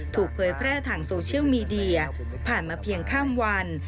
เผยแพร่ทางโซเชียลมีเดียผ่านมาเพียงข้ามวัน